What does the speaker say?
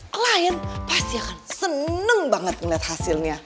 klien pasti akan seneng banget ngeliat hasilnya